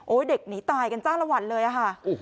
เด็กหนีตายกันจ้าละวันเลยอะค่ะ